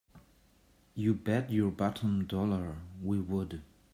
You bet your bottom dollar we would!